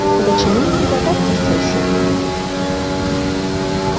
У дачыненні да вадкасцяў сін.